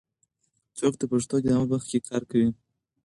څوک د پښتو ګرامر په برخه کې کار کوي؟